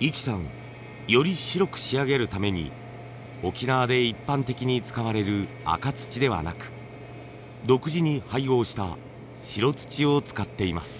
壹岐さんより白く仕上げるために沖縄で一般的に使われる赤土ではなく独自に配合した白土を使っています。